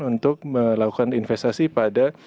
untuk melakukan investasi pada